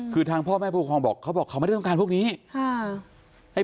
คือทางพ่อแม่ผู้ปกครองบอกเขาบอกเขาไม่ได้ต้องการพวกนี้ค่ะ